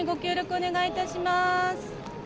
お願いいたします。